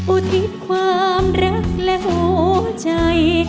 อุทิศความรักและหัวใจ